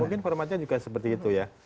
mungkin formatnya juga seperti itu ya